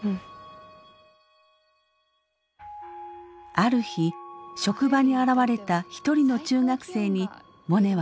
ある日職場に現れた一人の中学生にモネは声をかけます。